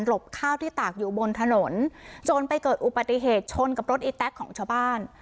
บข้าวที่ตากอยู่บนถนนจนไปเกิดอุบัติเหตุชนกับรถอีแต๊กของชาวบ้าน